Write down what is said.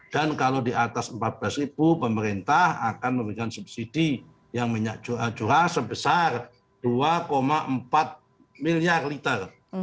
dan kalau di atas rp empat belas pemerintah akan memberikan subsidi yang minyak curah sebesar dua empat miliar liter